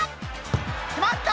きまった！